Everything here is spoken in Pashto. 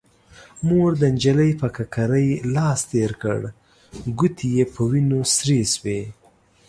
مور د نجلۍ پر ککرۍ لاس تير کړ، ګوتې يې په وينو سرې شوې.